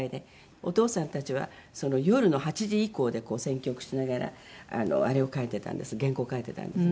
お父さんたちは夜の８時以降で選曲しながらあれを書いてたんです原稿を書いてたんですね。